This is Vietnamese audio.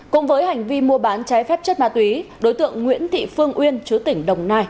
cùng với hành vi mua bán trái phép chất ma túy đối tượng nguyễn thị phương uyên chú tỉnh đồng nai